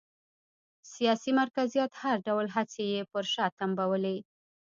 سیاسي مرکزیت هر ډول هڅې یې پر شا تمبولې